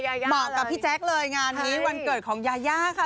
เหมาะกับพี่แจ๊คเลยงานนี้วันเกิดของยายาค่ะ